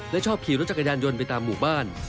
และชอบขี่รถจักรยานยนต์ไปตามหมู่บ้าน